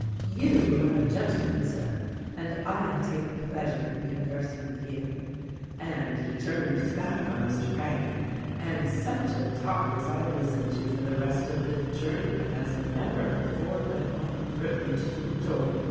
" 'You are a gentleman, Sir, and I take pleasure in con versing with you,' and he turned his back on Mr. Craggie ; and such a talk as I listened to for the rest of the journey it has never before been my privilege to enjoy.